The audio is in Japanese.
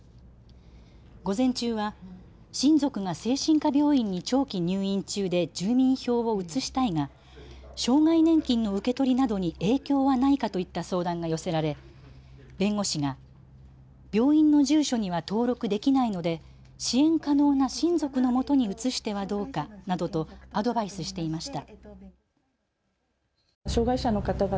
午前中は、親族が精神科病院に長期入院中で住民票を移したいが障害年金の受け取りなどに影響はないかといった相談が寄せられ弁護士が、病院の住所には登録できないので支援可能な親族のもとに移してはどうかなどとアドバイスしていました。